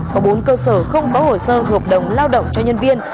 có bốn cơ sở không có hồ sơ hợp đồng lao động cho nhân viên